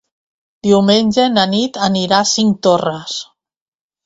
Diumenge na Nit anirà a Cinctorres.